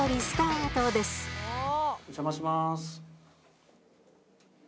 お邪魔します。